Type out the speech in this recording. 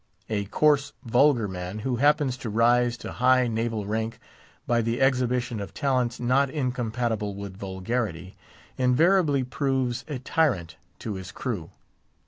A coarse, vulgar man, who happens to rise to high naval rank by the exhibition of talents not incompatible with vulgarity, invariably proves a tyrant to his crew.